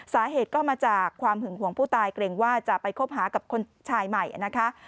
สาเหตุก็มาจากความหึงห่วงผู้ตายเกรงว่าจะไปคบหากับคนชายใหม่นะคะ